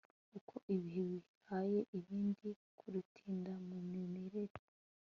uko ibihe bihaye ibindi Kutirinda mu mirire